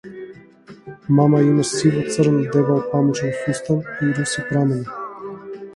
Мама има сиво-црн дебел памучен фустан и руси прамени.